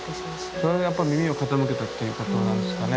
それにやっぱり耳を傾けたっていうことなんですかね。